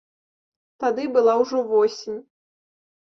Тады была ўжо восень.